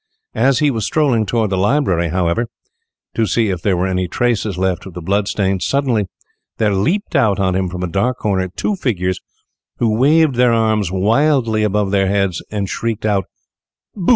As he was strolling towards the library, however, to see if there were any traces left of the blood stain, suddenly there leaped out on him from a dark corner two figures, who waved their arms wildly above their heads, and shrieked out "BOO!"